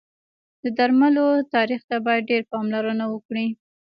د درملو تاریخ ته باید ډېر پاملرنه وکړی